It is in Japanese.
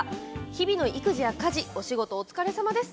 日々の育児や家事、お仕事お疲れさまです。